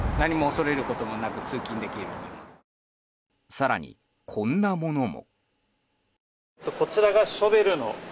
更に、こんなものも。